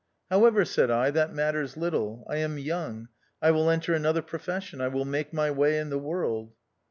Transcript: " However," said I, " that matters little ; I am young, I will enter another profession, I will make my way in the world."